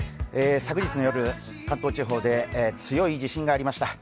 昨日の夜、関東地方で強い地震がありました。